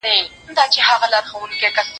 زه پرون د سبا لپاره د ژبي تمرين کوم!.